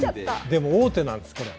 でも王手なんですこれ。